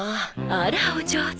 あらお上手。